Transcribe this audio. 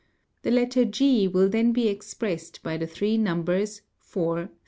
The letter g will then be expressed by the three numbers 4,3,17.